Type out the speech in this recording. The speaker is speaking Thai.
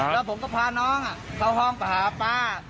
แล้วผมก็พาน้องเข้าห้องไปหาป้า